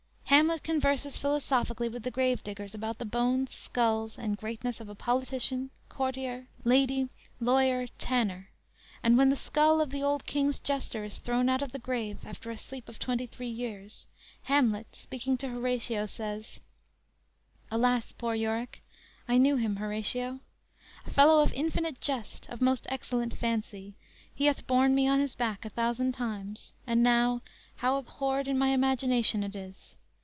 Hamlet converses philosophically with the grave diggers about the bones, skulls and greatness of a politician, courtier, lady, lawyer, tanner; and when the skull of the old king's jester is thrown out of the grave after a sleep of twenty three years, Hamlet, speaking to Horatio, says: _"Alas, poor Yorick, I knew him, Horatio; A fellow of infinite jest, of most Excellent fancy, he hath borne me On his back a thousand times, and now How abhorred in my imagination It is!